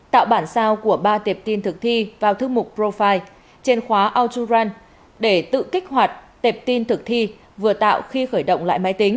tạo bản sao của ba tiệp tin thực thi vào thư mục profile trên khóa alturan để tự kích hoạt tiệp tin thực thi vừa tạo khi khởi động lại máy tính